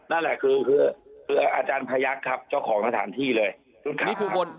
นั่นแหละคือคืออาจารย์พยักษ์ครับเจ้าของสถานที่เลยนี่คือคน